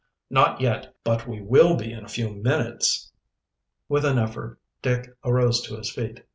"Not yet, but we will be in a few minutes." With an effort Dick arose to his feet.